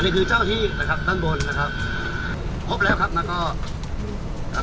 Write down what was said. นี่คือเจ้าที่นะครับด้านบนนะครับพบแล้วครับแล้วก็อ่า